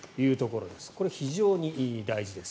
これ、非常に大事です。